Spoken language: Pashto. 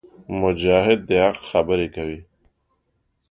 مجاهد د حق خبرې کوي.